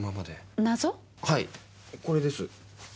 はいこれです。